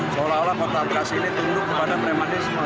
seolah olah kota beras ini tunduk kepada premanisme